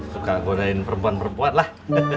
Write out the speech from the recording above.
suka godain perempuan perempuan lah